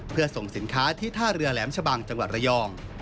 เพื่อส่งสินค้าที่ท่าเรือแหลมชะบังจังหวัดระยอง